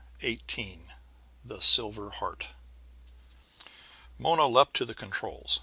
XVIII THE SILVER HEART Mona leaped to the controls.